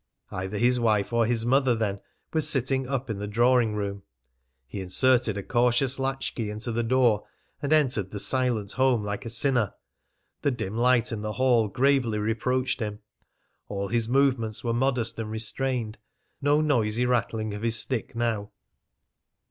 Either his wife or his mother, then, was sitting up in the drawing room. He inserted a cautious latch key into the door, and entered the silent home like a sinner. The dim light in the hall gravely reproached him. All his movements were modest and restrained; no noisy rattling of his stick now.